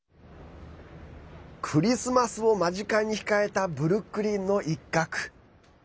クリスマスを間近に控えたブルックリンの一角。